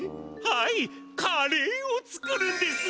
はいカレーを作るんです。